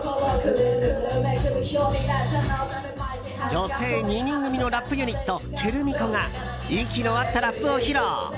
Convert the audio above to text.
女性２人組のラップユニットｃｈｅｌｍｉｃｏが息の合ったラップを披露。